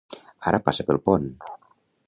Ara passa pel pont.